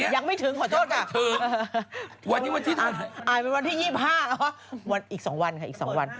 ยังไม่ถึงขอโทษค่ะอ่าวันที่๒๕แล้วค่ะอีก๒วันค่ะ